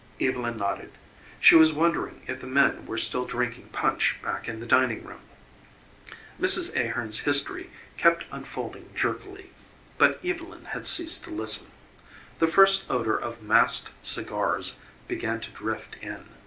Evylyn nodded. She was wondering if the men were still drinking punch back in the dining room. Mrs. Ahearn's history kept unfolding jerkily, but Evylyn had ceased to listen. The first odor of massed cigars began to drift in.